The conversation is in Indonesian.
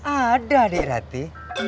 ada adik rati